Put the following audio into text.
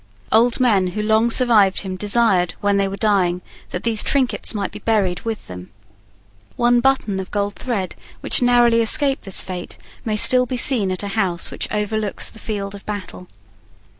Old men who long survived him desired, when they were dying, that these trinkets might be buried with them. One button of gold thread which narrowly escaped this fate may still be seen at a house which overlooks the field of battle.